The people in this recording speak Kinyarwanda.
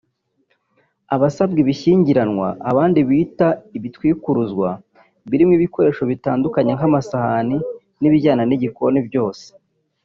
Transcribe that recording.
aba asabwa ibishyingiranwa (abandi bita ibitwikuruzwa) birimo ibikoresho bitandukanye nk’amasahani n’ibijyana n’igikoni byose